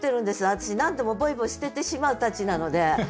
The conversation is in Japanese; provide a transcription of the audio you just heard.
私何でもポイポイ捨ててしまうたちなので。